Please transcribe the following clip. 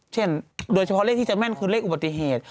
โดยเฉพาะเลขที่จะแม่นคือเลขอุบัติเหตุ